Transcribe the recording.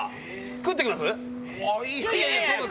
食っていきます？